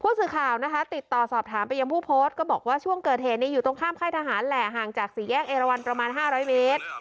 สื่อข่าวนะคะติดต่อสอบถามไปยังผู้โพสต์ก็บอกว่าช่วงเกิดเหตุอยู่ตรงข้ามค่ายทหารแหละห่างจากสี่แยกเอราวันประมาณ๕๐๐เมตร